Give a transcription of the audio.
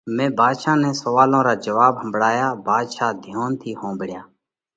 مئين ڀاڌشا نئہ سوئالون را جواٻ ۿمڀۯايا، ڀاڌشا ڌيونَ ٿِي ۿومڀۯيا۔